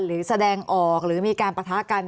หรือแสดงออกหรือมีการปะทะกัน